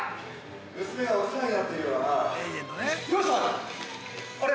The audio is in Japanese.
◆娘がお世話になっているようだな。